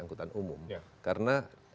angkutan umum karena